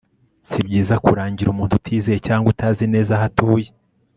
si byiza kurangira umuntu utizeye cyangwa utazi neza aho utuye